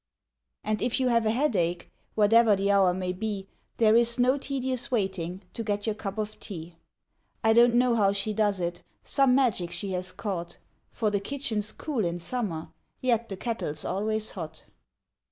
And if you have a headache, Whate'er the hour may be, There is no tedious waiting To get your cup of tea. I don't know how she does it Some magic she has caught For the kitchen's cool in summer, Yet the kettle's always hot.